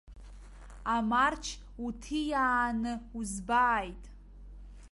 Амарч уҭиааны узбааит!